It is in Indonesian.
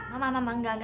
mama mama enggak